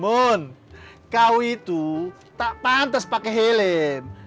bun kau itu tak pantas pakai helm